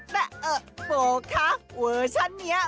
แต่โฟร์ค่ะเวอร์ชันนี้